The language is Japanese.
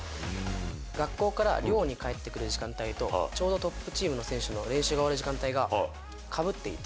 学校から寮に帰ってくる時間帯と、ちょうどトップチームの選手の練習が終わる時間帯がかぶっていて、